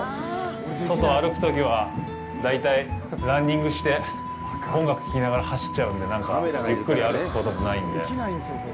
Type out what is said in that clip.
外を歩くときは、大体、ランニングして音楽を聞きながら走っちゃうので、なんか、ゆっくり歩くこともないので。